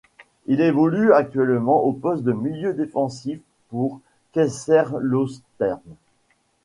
Il évolue actuellement au poste de milieu défensif pour Kaiserslautern.